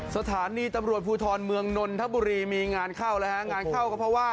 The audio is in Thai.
สถานีตำรวจภูทรเมืองนนทบุรีมีงานเข้าแล้วฮะงานเข้าก็เพราะว่า